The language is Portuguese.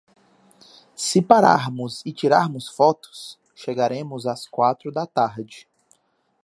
Se pararmos e tirarmos fotos, chegaremos às quatro da tarde.